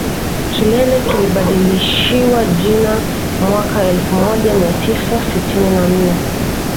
Kilele kilibadilishiwa jina mwaka elfu moja mia tisa sitini na nne